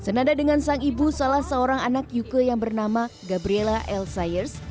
senada dengan sang ibu salah seorang anak yuke yang bernama gabriela l sayers